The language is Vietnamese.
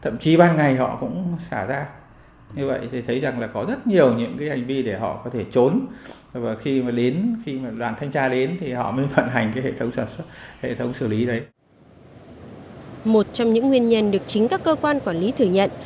một trong những nguyên nhân được chính các cơ quan quản lý thừa nhận